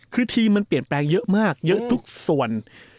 คือทีมมันเปลี่ยนแปลงเยอะมากเยอะทุกส่วน